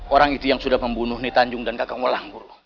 orang itu yang sudah membunuh netanjung dan kakak wolang guru